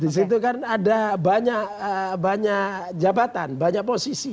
disitu kan ada banyak jabatan banyak posisi